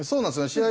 試合